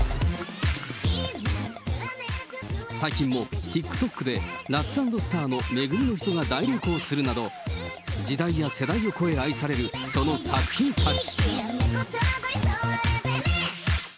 最近もＴｉｋＴｏｋでラッツ＆スターのめ組のひとが大流行するなど、時代や世代を超え愛されるその作品たち。